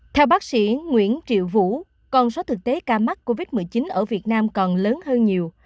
theo bác sĩ nguyễn triệu vũ con số thực tế ca mắc covid một mươi chín ở việt nam còn lớn hơn nhiều